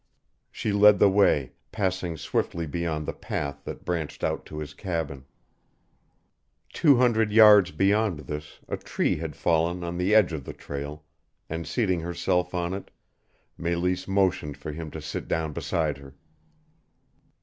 She led the way, passing swiftly beyond the path that branched out to his cabin. Two hundred yards beyond this a tree had fallen on the edge of the trail, and seating herself on it Meleese motioned for him to sit down beside her.